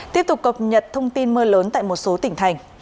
tiếp tục cập nhật thông tin mưa lớn tại một số tỉnh thành